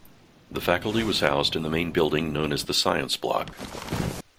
The faculty was housed in the main building known as the "Science Block".